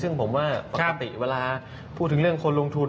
ซึ่งผมว่าปกติเวลาพูดถึงเรื่องคนลงทุน